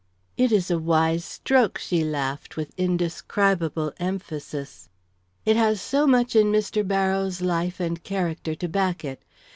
"It is a wise stroke," she laughed, with indescribable emphasis. "It has so much in Mr. Barrows' life and character to back it.